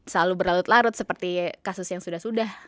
selalu berlalu telarut seperti kasus yang sudah sudah